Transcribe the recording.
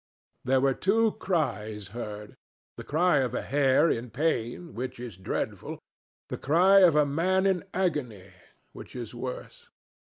There were two cries heard, the cry of a hare in pain, which is dreadful, the cry of a man in agony, which is worse.